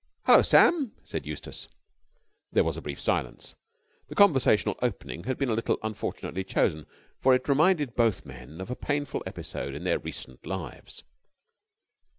"Hullo, Sam!" said Eustace. There was a brief silence. The conversational opening had been a little unfortunately chosen, for it reminded both men of a painful episode in their recent lives.